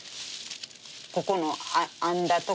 ここの編んだ所。